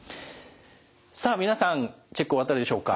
さあ皆さんチェック終わったでしょうか。